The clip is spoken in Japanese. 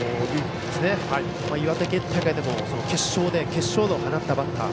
君は岩手県大会でも決勝で決勝打を放ったバッター。